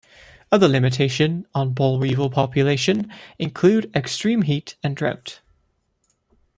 Other limitations on boll weevil populations include extreme heat and drought.